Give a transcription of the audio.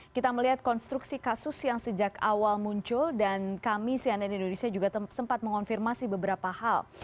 kita melihat konstruksi kasus yang sejak awal muncul dan kami cnn indonesia juga sempat mengonfirmasi beberapa hal